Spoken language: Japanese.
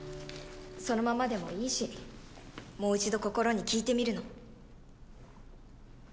そのままでもいいしもう一度心に聞いてみるの。